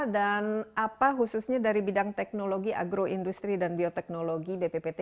dan apa khususnya dari bidang teknologi agroindustri dan bioteknologi bppt